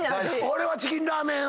俺はチキンラーメンばっかり。